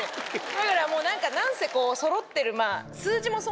だから何せこうそろってる。